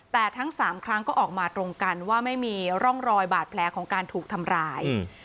แต่ทั้ง๓ครั้งก็ออกมาตรงกันว่าไม่มีร่องรอยบาดแผลของการถูกทำร้าย